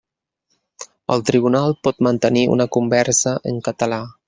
El tribunal pot mantenir una conversa en català.